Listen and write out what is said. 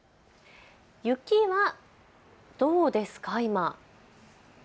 雪は、どうですか、今。